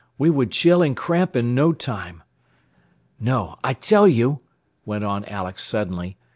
We would chill and cramp in no time. "No; I tell you," went on Alex suddenly.